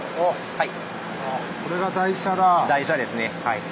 ⁉はい。